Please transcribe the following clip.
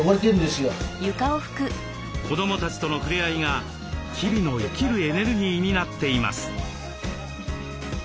子どもたちとの触れ合いが日々の生きるエネルギーになっています。